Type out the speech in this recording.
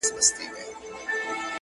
دا څو شپې کيږي له يوسفه سره لوبې کوم,